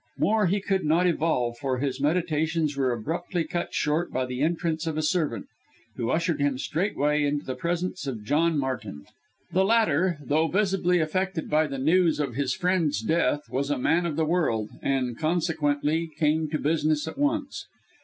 More he could not evolve, for his meditations were abruptly cut short by the entrance of a servant, who ushered him, straightway, into the presence of John Martin. The latter, though visibly affected by the news of his friend's death, was a man of the world, and, consequently, came to business at once.